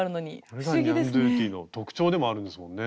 これがニャンドゥティの特徴でもあるんですもんね。